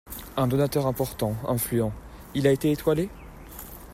Un donateur important, influent. Il a été étoilé?